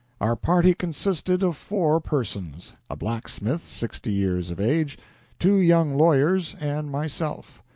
Our party consisted of four persons a blacksmith sixty years of age, two young lawyers, and myself.